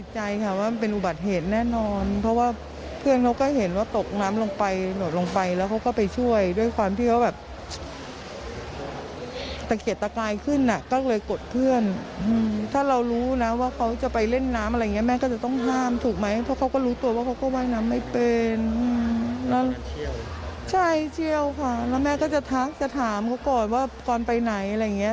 ใช่เชี่ยวค่ะแล้วแม่ก็จะทักจะถามเขาก่อนว่าก่อนไปไหนอะไรอย่างเงี้ย